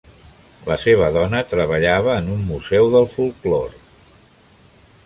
La seva dona treballava en un museu de folklore.